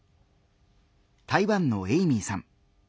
台湾のエイミーさん。